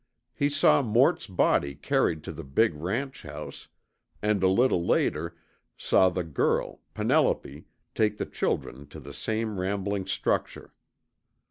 He saw Mort's body carried to the big ranch house and a little later saw the girl, Penelope, take the children to the same rambling structure.